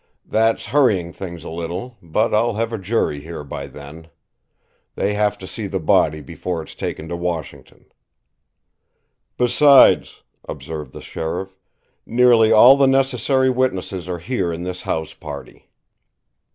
"That's hurrying things a little, but I'll have a jury here by then. They have to see the body before it's taken to Washington." "Besides," observed the sheriff, "nearly all the necessary witnesses are here in this house party."